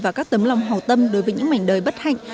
và các tấm lòng hào tâm đối với những mảnh đời bất hạnh